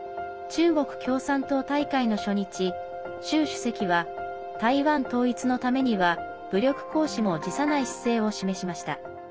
中国共産党大会の初日習主席は、台湾統一のためには武力行使も辞さない姿勢を示しました。